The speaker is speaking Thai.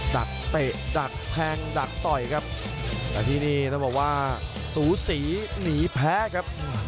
ดักเตะดักแทงดักต่อยครับแต่ที่นี่ต้องบอกว่าสูสีหนีแพ้ครับ